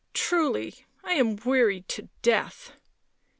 " Truly I am wearied to death!"